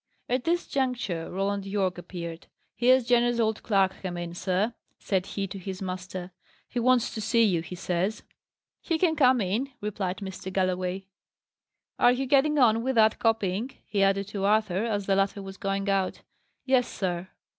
At this juncture, Roland Yorke appeared. "Here's Jenner's old clerk come in, sir," said he to his master. "He wants to see you, he says." "He can come in," replied Mr. Galloway. "Are you getting on with that copying?" he added to Arthur, as the latter was going out. "Yes, sir."